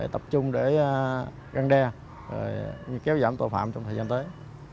tập trung để răng đe kéo giảm tội phạm trong thời gian tới